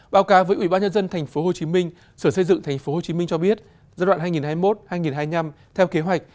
báo cáo với ubnd tp hcm sở xây dựng tp hcm cho biết giai đoạn hai nghìn hai mươi một hai nghìn hai mươi năm theo kế hoạch